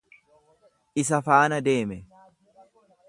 Isa faana deeme.